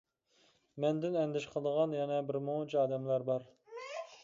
مەندىن ئەندىشە قىلىدىغان يەنە بىر مۇنچە ئادەملەر بار.